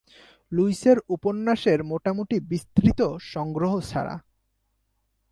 লুইসের উপন্যাসের মোটামুটি বিস্তৃত সংগ্রহ ছাড়া।